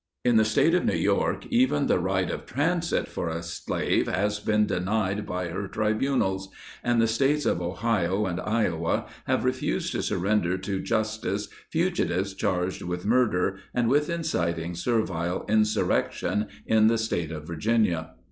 In the State of New York even the right of transit for a slave has been denied by her tribunals; and the States of Ohio and Iowa have refused to surrender to justice fugitives charged with murder, and with inciting servile insurrection in the State of Virginia.